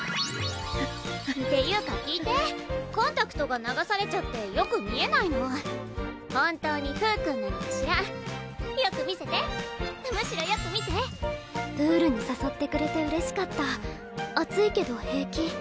っていうか聞いてコンタクトが流されちゃってよく見えないの本当にフー君なのかしらよく見せてむしろよく見てプールに誘ってくれて嬉しかった暑いけど平気？